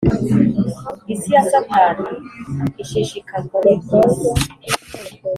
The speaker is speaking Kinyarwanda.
Isi ya Satani ishishikazwa n’iby’isi.